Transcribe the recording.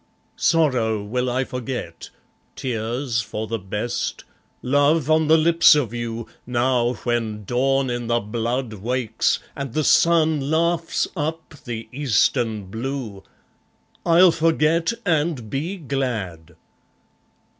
Sorrow will I forget, tears for the best, love on the lips of you, Now, when dawn in the blood wakes, and the sun laughs up the eastern blue; I'll forget and be glad!